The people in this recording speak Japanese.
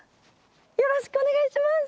よろしくお願いします！